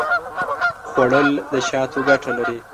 خوړل د شاتو ګټه لري